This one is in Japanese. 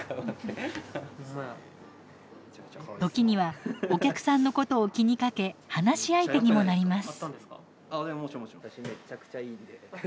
時にはお客さんのことを気にかけ話し相手にもなります。